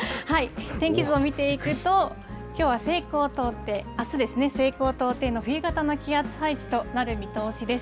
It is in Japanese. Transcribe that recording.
天気図を見ていくと、きょうは西高東低、あすですね、西高東低の冬型の気圧配置となる見通しです。